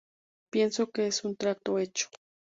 Pienso que es un trato hecho.